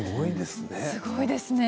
すごいですね。